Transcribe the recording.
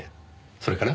それから？